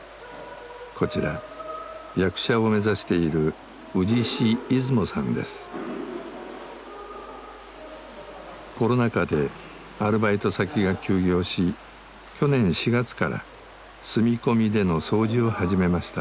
こちら役者を目指しているコロナ禍でアルバイト先が休業し去年４月から住み込みでの掃除を始めました。